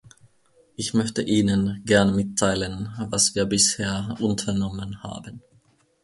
Ich möchte Ihnen gern mitteilen, was wir bisher unternommen haben.